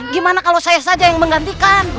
gimana kalau saya saja yang menggantikan